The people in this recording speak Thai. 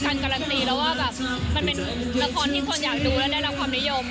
มันเป็นละครที่คนอยากดูและได้รับความนิยม